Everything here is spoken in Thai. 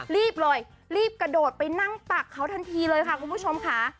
รีบเลยรีบกระโดดไปนั่งตักเขาทันทีเลยค่ะคุณผู้ชมค่ะ